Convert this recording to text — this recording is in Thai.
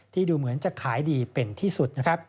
ที่ดูเหมือนจะขายดีเป็นที่สุด